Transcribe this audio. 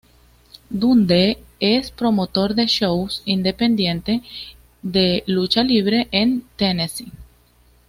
Dundee es promotor de shows independientes de lucha libre en Tennesse.